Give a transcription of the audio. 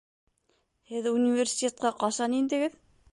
Һеҙ университетҡа ҡасан индегеҙ?